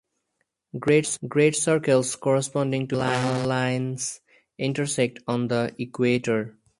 Great circles corresponding to parallel lines intersect on the equator.